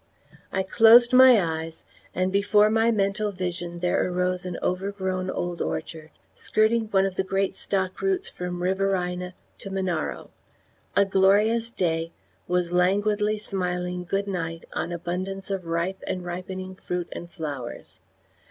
I closed my eyes, and before my mental vision there arose an overgrown old orchard, skirting one of the great stock routes from Riverina to Monaro. A glorious day was languidly smiling good night on abundance of ripe and ripening fruit and flowers.